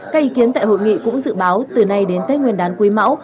các ý kiến tại hội nghị cũng dự báo từ nay đến tết nguyên đán quý máu